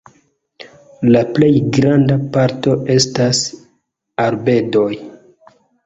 La plej granda parto estas arbedoj.